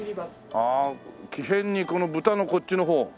ああきへんにこの「豚」のこっちの方。